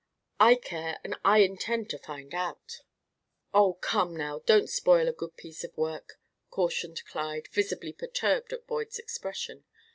"I care, and I intend to find out." "Oh, come now, don't spoil a good piece of work," cautioned Clyde, visibly perturbed at Boyd's expression.